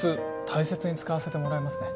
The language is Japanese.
大切に使わせてもらいますね